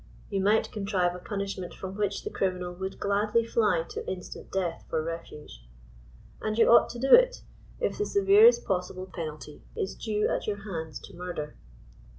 You might contrive a punish ment from which the criminal would gladly fly to instant death for refuge. And you ought to do it, if the severest possible penalty is due at your hands to murder.